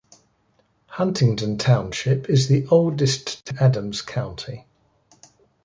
Huntington Township is the oldest township in Adams County.